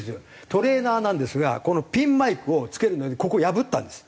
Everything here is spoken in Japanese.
トレーナーなんですがピンマイクをつけるのにここを破ったんです。